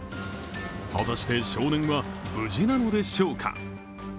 果たして少年は無事なのでしょうか？